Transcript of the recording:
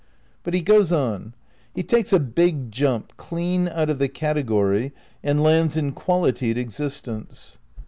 But he goes on. He takes a big jump clean out of the category and lands in qualitied existence.